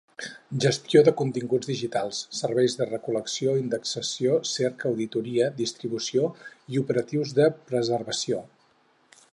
Gestor de continguts digitals: serveis de recol·lecció, indexació, cerca, auditoria, distribució i operatius de preservació.